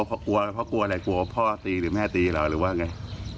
พ่อกลัวอะไรกลัวว่าพ่อตีหรือแม่ตีเราหรือว่าไง